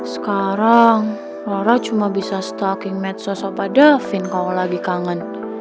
sekarang lora cuma bisa stucking medsos apa davin kalau lagi kangen